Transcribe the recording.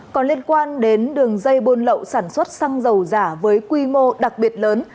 còn liên quan đến đường dây buôn lậu sản xuất xăng dầu giả với quy mô đặc biệt lớn